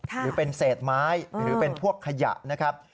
หรือเป็นเศษไม้หรือเป็นพวกขยะนะครับ